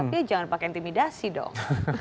dia jangan pakai intimidasi dong